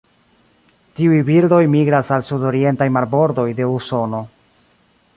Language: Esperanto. Tiuj birdoj migras al sudorientaj marbordoj de Usono.